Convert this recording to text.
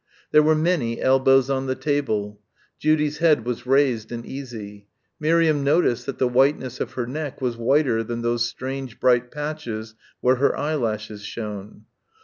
There were many elbows on the table. Judy's head was raised and easy. Miriam noticed that the whiteness of her neck was whiter than those strange bright patches where her eyelashes shone.